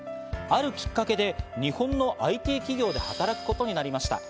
あるきっかけで日本のＩＴ企業で働くことになりました。